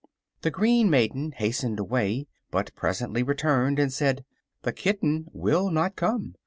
The green maiden hastened away, but presently returned and said: "The kitten will not come.